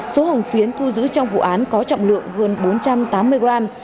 số hồng phiến thu giữ trong vụ án có trọng lượng hơn bốn trăm tám mươi gram